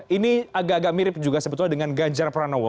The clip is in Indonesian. ini agak agak mirip juga sebetulnya dengan ganjar pranowo